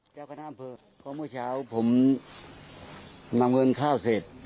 เจ้าคณะอำเภอเพราะเมื่อเช้าผมนำเงินข้าวเสร็จ